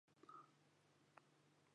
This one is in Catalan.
No t'excitis, cel·lulitis!